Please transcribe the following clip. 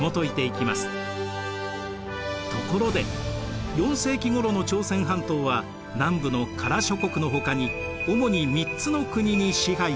ところで４世紀ごろの朝鮮半島は南部の加羅諸国のほかに主に３つの国に支配されていました。